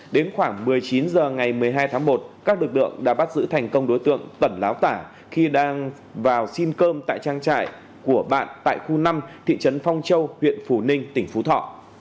đến khoảng một mươi chín h ngày một mươi hai tháng một các lực lượng đã bắt giữ thành công đối tượng tẩn láo tả khi đang vào xin cơm tại trang trại của bạn tại khu năm thị trấn phong châu huyện phù ninh tỉnh phú thọ